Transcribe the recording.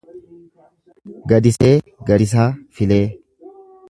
Gadisee Gadisaa Filee